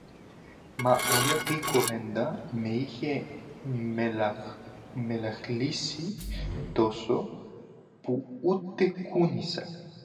Μα όλη αυτή η κουβέντα με είχε μελαγχολήσει τόσο, που ούτε κούνησα